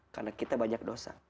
karena kita banyak dosa